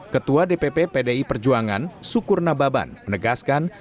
ketua dpp pdi perjuangan sukur nababan menegaskan